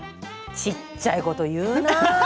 小っちゃいこと言うなあ。